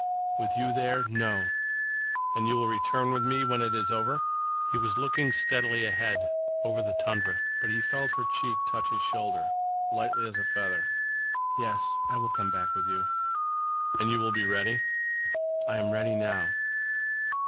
"With you there—no." "And you will return with me—when it is over?" He was looking steadily ahead over the tundra. But he felt her cheek touch his shoulder, lightly as a feather. "Yes, I will come back with you." "And you will be ready?" "I am ready now."